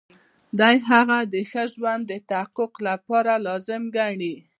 دی هغه د ښه ژوند د تحقق لپاره لازم ګڼي.